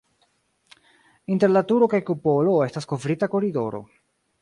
Inter la turo kaj kupolo estas kovrita koridoro.